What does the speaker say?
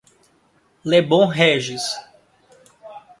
Lebon Régis